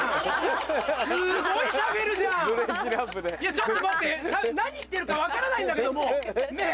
ちょっと待って何言ってるか分からないんだけどもうねぇ。